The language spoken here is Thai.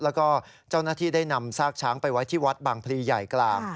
แล้วก็เจ้าหน้าที่ได้นำซากช้างไปไว้ที่วัดบางพลีใหญ่กลาง